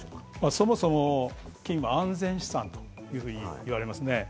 そもそも金は安全資産と言われますね。